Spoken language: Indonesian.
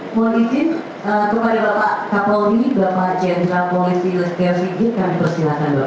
mohon izin kepada bapak kapolvi bapak jenderal polisi lestari kami persilakan bapak